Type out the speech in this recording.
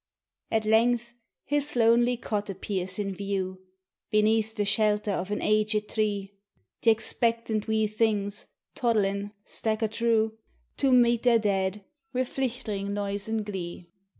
At length his lonely cot appears in view, Beneath the shelter of an aged tree; Th' expectant wee things, toddlin', stacher through To meet their dad, wF Hichterin' noise an' glee.